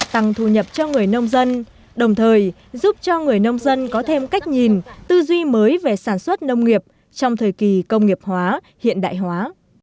tăng thu nhập cho người nông dân đồng thời giúp cho người nông dân có thêm cách nhìn tư duy mới về sản xuất nông nghiệp trong thời kỳ công nghiệp hóa hiện đại hóa